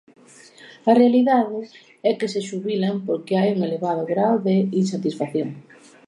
A realidade é que se xubilan porque hai un elevado grao de insatisfacción.